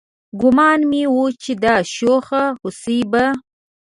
ګومان مې و چې دا شوخه هوسۍ به